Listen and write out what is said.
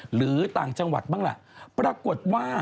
หรือต่างจังหวัดบ้างล่ะปรากฏว่า